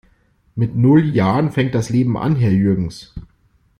Mit null Jahren fängt das Leben an, Herr Jürgens!